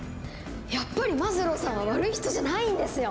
やっぱりマズローさんは悪い人じゃないんですよ！